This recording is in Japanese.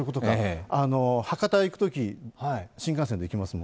博多に行くとき、新幹線で行きますもん。